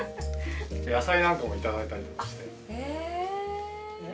野菜なんかも頂いたりして。